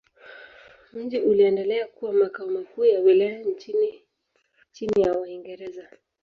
Mji uliendelea kuwa makao makuu ya wilaya chini ya Waingereza.